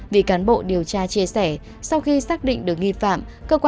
vì cán bộ điều tra chia sẻ sau khi xác định được nghi phạm